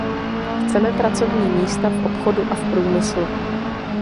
Chceme pracovní místa v obchodu a v průmyslu.